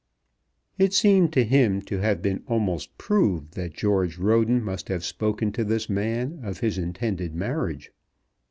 It seemed to him to have been almost proved that George Roden must have spoken to this man of his intended marriage.